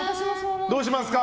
どうしますか？